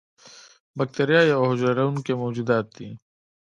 بکتیریا یوه حجره لرونکي موجودات دي.